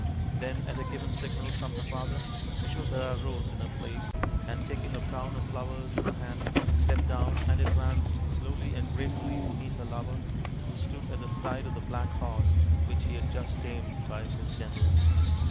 Then at a given signal from her father, Yasodhara rose in her place and, taking a crown of flowers in her hand, stepped down and advanced slowly and grace fully to meet her lover, who stood at the side of the black horse which he had just tamed by his gentle ness.